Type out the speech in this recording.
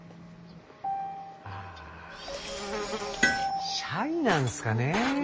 あシャイなんすかね。